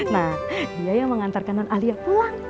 nah dia yang mengantarkan non alia pulang